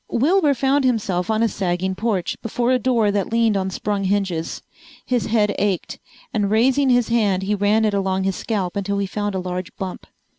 Wilbur found himself on a sagging porch, before a door that leaned on sprung hinges. His head ached, and raising his hand he ran it along his scalp until he found a large bump.